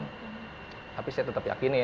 tapi saya tetap yakinin